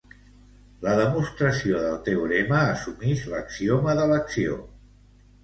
La demostració del teorema assumix l'axioma d'elecció.